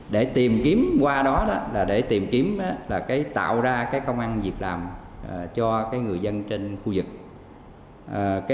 để tìm kiếm tạo ra công an việc làm cho người dân trên khu vực